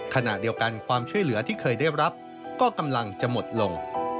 ขณะเดียวกันความช่วยเหลือที่เคยได้รับก็กำลังจะหมดลง